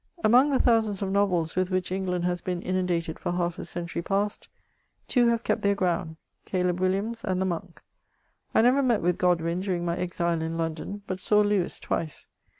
Among the thousands of novels with which England has been inundated for half a century past, two have kept their gpx>und : Caleb WiUiams and The Monk, I never met with Godwin during my exile in London, but saw Lewis twice.